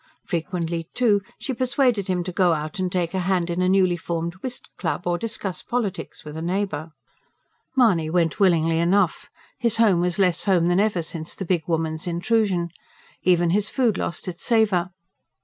Frequently, too, she persuaded him to go out and take a hand in a newlyformed whist club, or discuss politics with a neighbour. Mahony went willingly enough; his home was less home than ever since the big woman's intrusion. Even his food lost its savour.